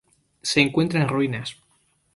Se encuentra en ruinas.